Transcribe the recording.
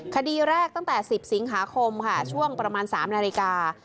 คดีแรกตั้งแต่๑๐สิงหาคมค่ะช่วงประมาณ๓นาฬิกา